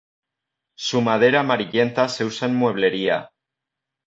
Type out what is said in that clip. Su madera amarillenta se usa en mueblería.